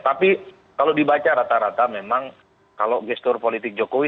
tapi kalau dibaca rata rata memang kalau gestur politik jokowi